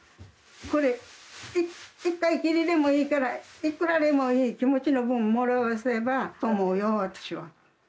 これ一回きりでもいいからいくらでもいい気持ちの分もらわせばと思うよ私は。